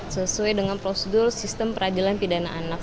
sesuai dengan prosedur sistem peradilan pidana anak